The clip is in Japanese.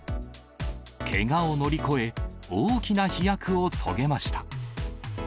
けがを乗り越え、大きな飛躍を遂げました。